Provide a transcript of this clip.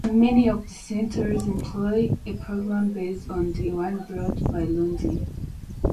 Many of the centres employ a programme based on the one brought by Lundy.